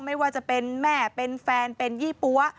ไม่ว่าจะเป็นแม่เป็นแฟนเป็นยี่ปั๊ว